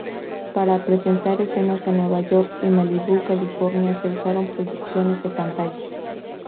Para presentar escenas en Nueva York y Malibu, California, se usaron proyecciones de pantalla.